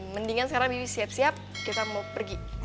mendingan sekarang bibi siap siap kita mau pergi